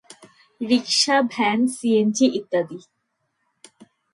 রিক্সা, van, C, N, G, ইত্যাদি।